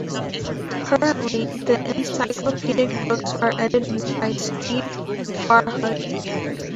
Currently, the encyclopedic books are edited by Steve Farhood.